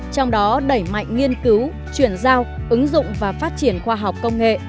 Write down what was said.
trong đó đẩy mạnh nghiên cứu chuyển giao ứng dụng và phát triển khoa học công nghệ